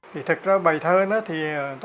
thì thật ra bài thơ nó thì